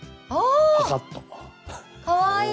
かわいい！